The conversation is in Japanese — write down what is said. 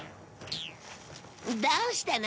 どうしたの？